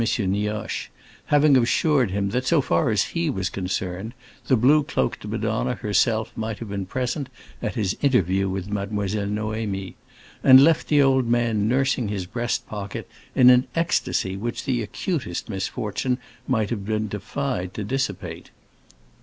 Nioche, having assured him that, so far as he was concerned, the blue cloaked Madonna herself might have been present at his interview with Mademoiselle Noémie; and left the old man nursing his breast pocket, in an ecstasy which the acutest misfortune might have been defied to dissipate.